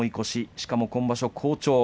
しかも今場所、好調。